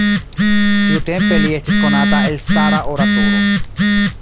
Tiutempe li estis konata elstara oratoro.